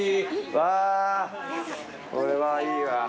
うわーこれはいいわ。